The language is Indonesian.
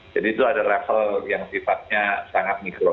jadi itu ada level yang sifatnya sangat mikro